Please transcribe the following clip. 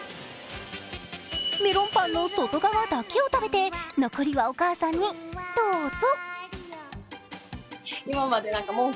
メロンパンの外側だけを食べて残りはお母さんにどうぞ。